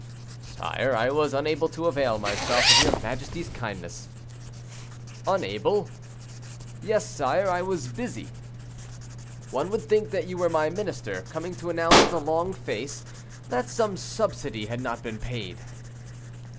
"Sire, I was unable to avail myself of your majesty's kindness." "Unable?" "Yes, sire; I was busy." "One would think that you were my minister, coming to announce, with a long face, that some subsidy had not been paid."